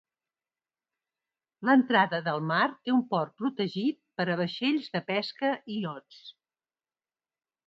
L'entrada del mar té un port protegit per a vaixells de pesca i iots.